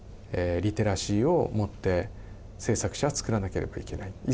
リテラシーを持って制作者は作らなければいけない。